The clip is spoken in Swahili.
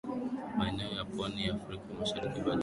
maeneo ya Pwani ya Afrika Mashariki Baadaye